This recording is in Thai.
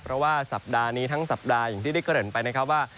เพราะว่าสัปดาห์นี้ทั้งสัปดาห์อย่างที่ได้เกริ่นไปนะครับว่า